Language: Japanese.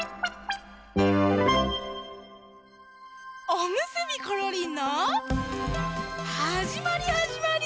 「おむすびころりん」のはじまりはじまり。